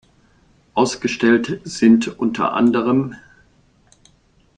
Ausgestellt sind unter anderem